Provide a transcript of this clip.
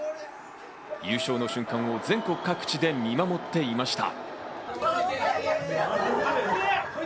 優勝の瞬間を全国各地で見守っていました。